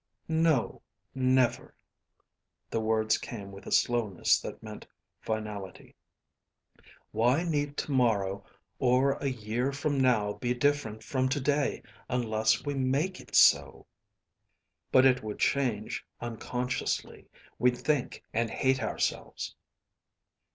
"No, never." The words came with a slowness that meant finality. "Why need to morrow or a year from now be different from to day unless we make it so?" "But it would change unconsciously. We'd think and hate ourselves."